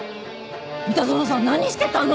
三田園さん何してたの？